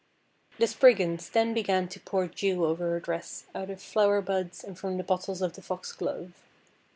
The Spriggans then began to pour dew over her dress out of flower buds and from the bottles of the Foxglove.